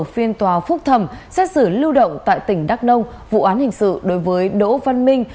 phiên tòa phúc thẩm xét xử lưu động tại tỉnh đắk nông vụ án hình sự đối với đỗ văn minh